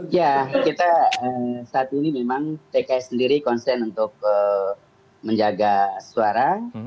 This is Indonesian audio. ya kita saat ini memang pks sendiri konsen untuk menjaga suara